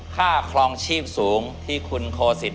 ครองชีพสูงที่คุณโคสิต